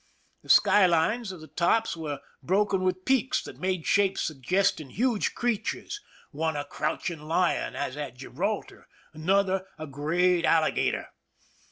The sky lines of the tops were broken with peaks that made shapes suggest ing huge creatures, one a crouching lion, as at Q ibraltar, another a great alligator.